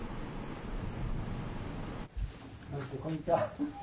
こんにちは。